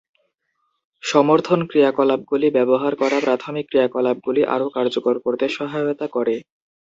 সমর্থন ক্রিয়াকলাপগুলি ব্যবহার করা প্রাথমিক ক্রিয়াকলাপগুলি আরও কার্যকর করতে সহায়তা করে।